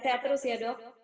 sensel terus ya dok